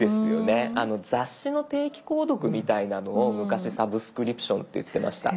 雑誌の定期購読みたいなのを昔サブスクリプションって言ってました。